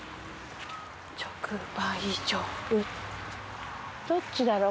直売所どっちだろう？